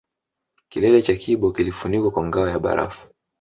Kilele cha Kibo kilifunikwa kwa ngao ya barafu